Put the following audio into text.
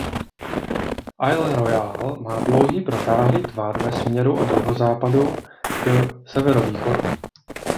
Isle Royale má dlouhý protáhlý tvar ve směru od jihozápadu k severovýchodu.